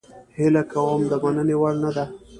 هیله کوم د مننې وړ نه ده.